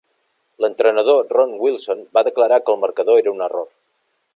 L'entrenador Ron Wilson va declarar que el marcador era un error.